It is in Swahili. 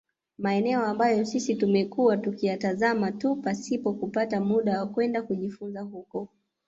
Maeneo ambayo sisi tumekuwa tukiyatazama tu pasipo kupata muda wa kwenda kujifunza huko